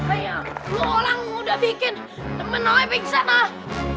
aya lu orang muda bikin temen kau yang pingset lah